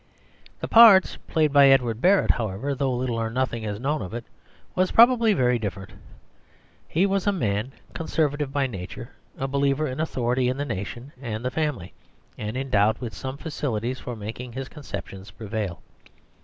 The parts played by Edward Barrett, however, though little or nothing is known of it, was probably very different. He was a man Conservative by nature, a believer in authority in the nation and the family, and endowed with some faculties for making his conceptions prevail.